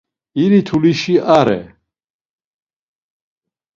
İri tulişi are.